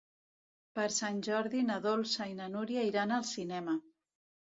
Per Sant Jordi na Dolça i na Núria iran al cinema.